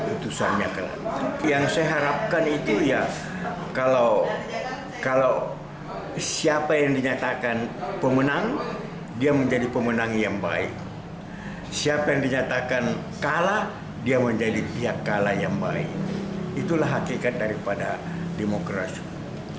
pertama majelis hakim konstitusi memberi kesempatan kepada semua pihak pemohon termohon kpu dan terkait